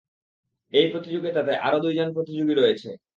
এই প্রতিযোগিতাতে আরও দুইজন প্রতিযোগী রয়েছে।